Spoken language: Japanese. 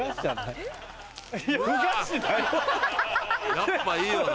やっぱいいよな。